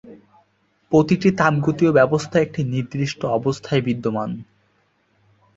প্রতিটি তাপগতীয় ব্যবস্থা একটি নির্দিষ্ট অবস্থায় বিদ্যমান।